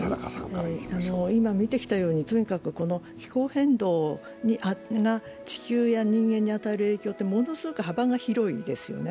今見てきたように、とにかく気候変動が地球や人間に与える影響ってものすごく幅広いですよね。